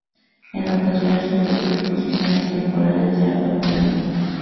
En ocasiones ofrece exposiciones temporales de arte moderno.